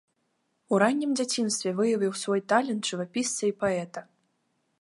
У раннім дзяцінстве выявіў свой талент жывапісца і паэта.